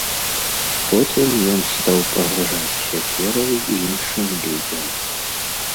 Потым ён стаў пагражаць сякерай іншым людзям.